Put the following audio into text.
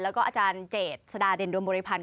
แล้วก็อาจารย์เจษฎาเด่นดวงบริพันธ